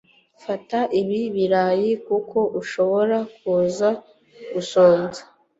Fata ibi birayi kuko ushobora kuza gusonza